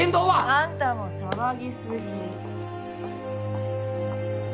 あんたも騒ぎすぎ。